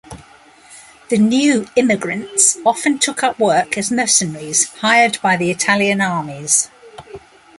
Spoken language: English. The new immigrants often took up work as mercenaries hired by the Italian armies.